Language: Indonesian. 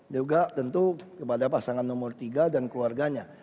juga tentu kepada pasangan nomor tiga dan keluarganya